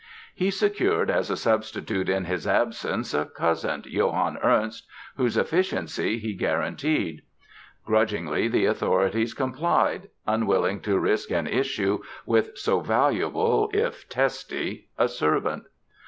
He secured as a substitute in his absence a cousin, Johann Ernst, whose efficiency he guaranteed. Grudgingly the authorities complied, unwilling to risk an issue with so valuable, if testy, a servant.